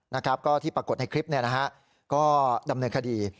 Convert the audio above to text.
นะครับก็ที่ปรากฏในคลิปเนี่ยนะฮะก็ดำเนินคดี